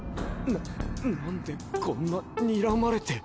ななんでこんなにらまれて。